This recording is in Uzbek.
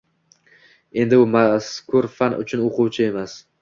Endi u mazkur fan uchun o‘quvchi emas